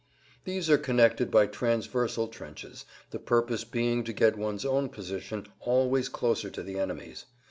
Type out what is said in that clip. These are connected by transversal trenches, the purpose being to get one's own position always closer to the enemy's.